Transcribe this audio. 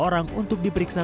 orang untuk diperiksa